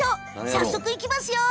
早速いきますよ。